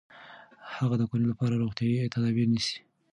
هغه د کورنۍ لپاره روغتیايي تدابیر نیسي.